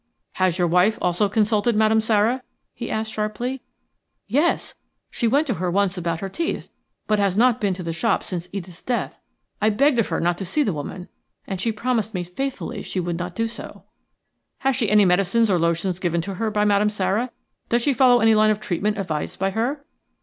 "Has your wife also consulted Madame Sara?" he asked, sharply. "Yes, she went to her once about her teeth, but has not been to the shop since Edith's death. I begged of her not to see the woman, and she promised me faithfully she would not do so." "Has she any medicines or lotions given to her by Madame Sara – does she follow any line of treatment advised by her?"